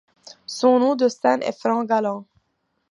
Son nom de scène est Frank Galan.